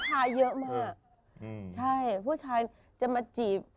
ใช่ผู้ชายจะมาจีบ